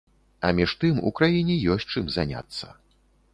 А між тым, у краіне ёсць чым заняцца.